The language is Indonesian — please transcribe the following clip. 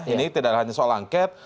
ini tidak hanya soal angket